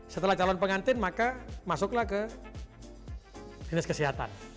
setelah calon pengantin maka masuklah ke dinas kesehatan